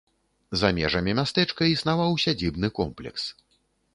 За межамі мястэчка існаваў сядзібны комплекс.